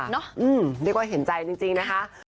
นี่ก็เห็นใจจริงนะคะ